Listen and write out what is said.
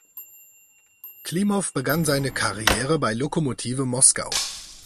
Klimow begann seine Karriere bei Lokomotive Moskau.